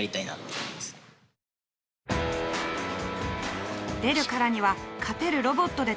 出るからには勝てるロボットで戦いたい。